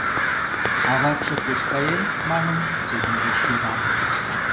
— Аватше куш каен? — манын, Сеню деч йодам.